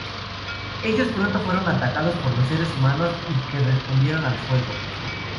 Ellos pronto fueron atacados por los seres humanos y que respondieron al fuego.